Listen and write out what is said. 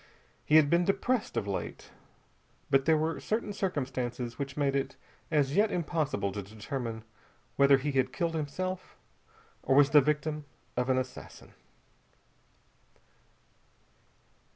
He had been depressed, of late, but there were certain circumstances which made it as yet impossible to determine whether he had killed himself or was the victim of an assassin.